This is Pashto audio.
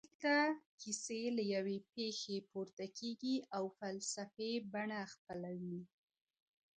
• دلته کيسه له يوې پېښي پورته کيږي او فلسفي بڼه خپلوي..